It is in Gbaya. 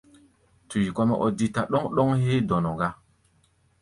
Tui kɔ́-mɛ́ ɔ́ dítá ɗɔ́ŋ-ɗɔ́ŋ héé dɔnɔ gá.